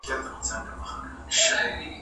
نه، بوی بدلیدلی شي.